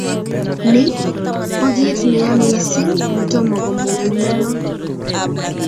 Ni ko kit ne ya mising ne tomo komonguneno